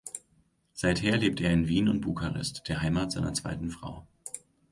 Seither lebt er in Wien und Bukarest, der Heimat seiner zweiten Frau.